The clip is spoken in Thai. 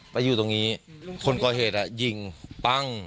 ไปอยู่ตรงนี้คนก่อเหตุยิงปั้ง